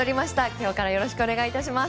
今日からよろしくお願いいたします。